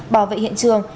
bảo vệ hiện trường